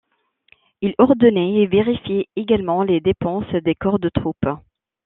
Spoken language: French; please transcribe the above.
Il ordonnait et vérifiait également les dépenses des corps de troupe.